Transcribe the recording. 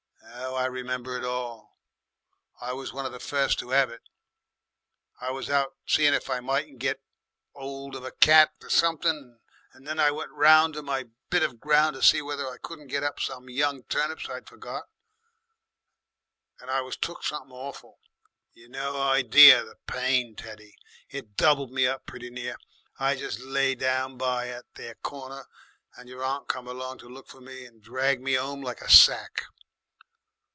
'Ow I remember it all! I was one of the first to 'ave it. I was out, seein' if I mightn't get 'old of a cat or somethin', and then I went round to my bit of ground to see whether I couldn't get up some young turnips I'd forgot, and I was took something awful. You've no idee the pain, Teddy it doubled me up pretty near. I jes' lay down by 'at there corner, and your aunt come along to look for me and dragged me 'ome like a sack.